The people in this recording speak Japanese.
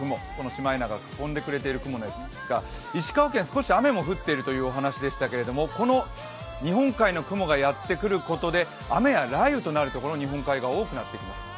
シマエナガを囲んでくれてる雲でてすが、石川県、少し雨が降っているようですがこの日本海の雲がやってくることで雨や雷雨となるところ日本海側多くなってきます。